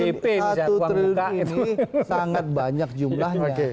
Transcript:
satu triliun ini sangat banyak jumlahnya